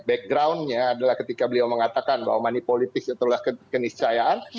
backgroundnya adalah ketika beliau mengatakan bahwa money politis itu adalah keniscayaan